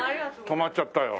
止まっちゃったよ。